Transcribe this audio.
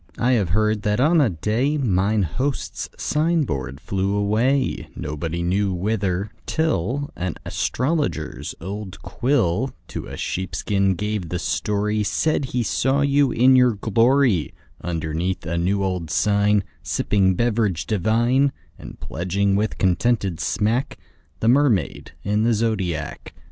I have heard that on a day Mine host's sign board flew away, Nobody knew whither, till An astrologer's old quill To a sheepskin gave the story, Said he saw you in your glory, Underneath a new old sign Sipping beverage divine, 20 And pledging with contented smack The Mermaid in the Zodiac.